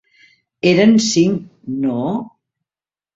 Eren cinc, no?